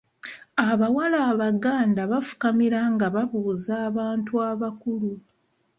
Abawala Abaganda bafukamira nga babuuza abantu abakulu.